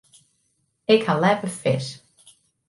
Ik ha leaver fisk.